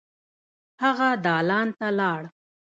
هغه دالان ته لاړ.